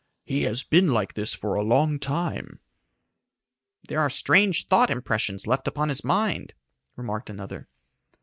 "He has been like this for a long time." "There are strange thought impressions left upon his mind," remarked another.